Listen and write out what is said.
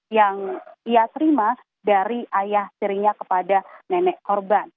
yang ia terima dari ayah tirinya kepada nenek korban